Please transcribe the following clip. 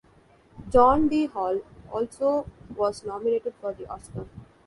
John D. Hall also was nominated for the Oscar.